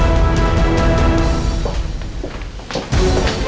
kami akan menemukan sesosok yang mencurigakan yang ada di depur kami